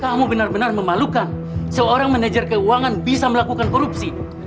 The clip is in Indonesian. kamu benar benar memalukan seorang manajer keuangan bisa melakukan korupsi